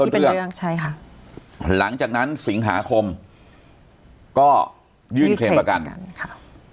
เป็นเรื่องใช่ค่ะหลังจากนั้นสิงหาคมก็ยื่นเคลมประกันค่ะ